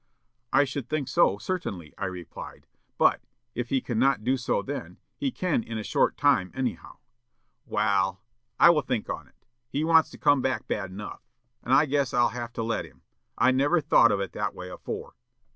"'I should think so, certainly,' I replied. 'But, if he cannot do so then, he can in a short time, anyhow.' "'Wal, I will think on it. He wants to come back bad enough, and I guess I'll have to let him. I never thought of it that way afore.'